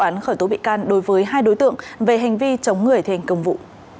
công an huyện điện biên vừa tiến hành khởi tố bị can đối với hai đối tượng về hành vi chống người thi hành công vụ